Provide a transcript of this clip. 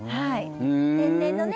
天然のね。